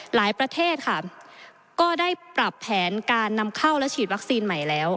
ประเทศค่ะก็ได้ปรับแผนการนำเข้าและฉีดวัคซีนใหม่แล้ว